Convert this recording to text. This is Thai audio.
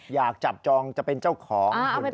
อยากจับจองจะเป็นเจ้าของหุ่นตัวนี้